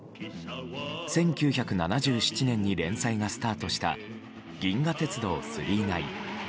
１９７７年に連載がスタートした「銀河鉄道９９９」。